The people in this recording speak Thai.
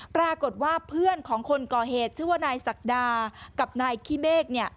ปรากฏว่าเพื่อนของคนก่อเหตุชื่อว่านายศักดากับนายขี้เมฆ